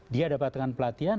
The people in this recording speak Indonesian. dia dapatkan pelatihan